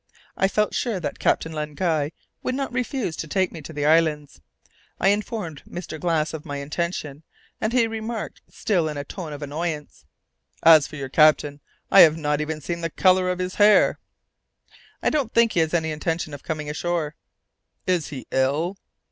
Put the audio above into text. I felt sure that Captain Len Guy would not refuse to take me to the islands. I informed Mr. Glass of my intention, and he remarked, still in a tone of annoyance, "As for your captain, I have not even seen the colour of his hair." "I don't think he has any intention of coming ashore." "Is he ill?"